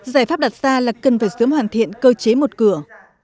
giải pháp đặt ra là cần phải sớm hoàn thiện cơ chế một cửa